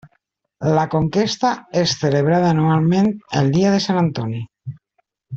La conquesta és celebrada anualment el dia de Sant Antoni.